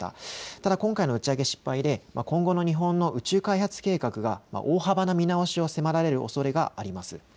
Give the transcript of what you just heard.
ただ今回の打ち上げ失敗で今後の日本の宇宙開発計画が大幅な見直しを迫られるおそれがあります。